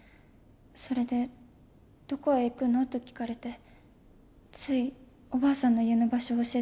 それで「どこへ行くの？」と聞かれてついおばあさんの家の場所を教えてしまいました。